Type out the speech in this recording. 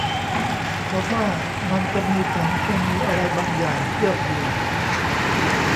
เขาว่ามันจะมีสารเคมีอะไรบางอย่างเคลือบอยู่